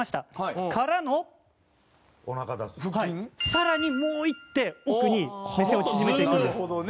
更にもう一手奥に目線を縮めていくんです。